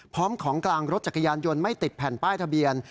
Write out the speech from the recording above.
ของกลางรถจักรยานยนต์ไม่ติดแผ่นป้ายทะเบียน